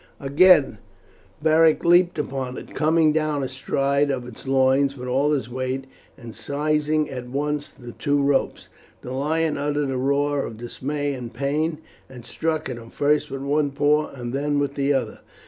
Again Beric leaped upon it, coming down astride of its loins with all his weight, and seizing at once the two ropes. The lion uttered a roar of dismay and pain, and struck at him first with one paw and then with the other.